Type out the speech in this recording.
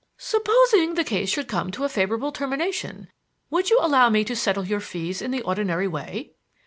"Supposing the case should come to a favorable termination, would you allow me to settle your fees in the ordinary way?"